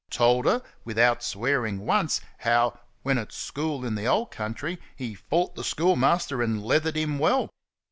Told her, without swearing once, how, when at school in the old country, he fought the schoolmaster and leathered him well.